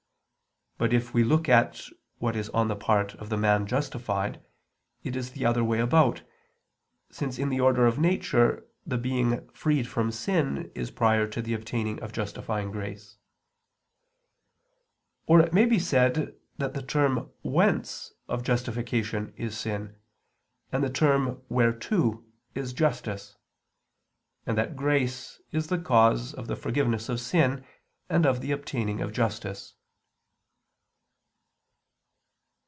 But if we look at what is on the part of the man justified, it is the other way about, since in the order of nature the being freed from sin is prior to the obtaining of justifying grace. Or it may be said that the term whence of justification is sin; and the term whereto is justice; and that grace is the cause of the forgiveness of sin and of obtaining of justice.